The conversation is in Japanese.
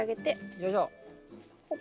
よいしょ！